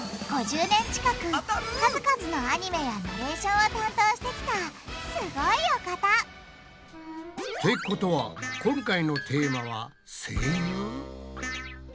５０年近く数々のアニメやナレーションを担当してきたすごいお方！ってことは今回のテーマは「声優」？